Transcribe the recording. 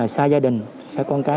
xa gia đình xa con cái